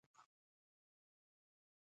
هغه د سمندر په سمندر کې د امید څراغ ولید.